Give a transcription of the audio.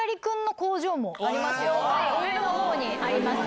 上の方にあります。